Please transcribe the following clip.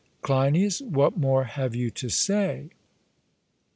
CLEINIAS: What more have you to say?